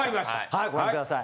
はいご覧ください。